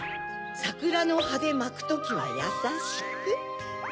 さくらのはでまくときはやさしく。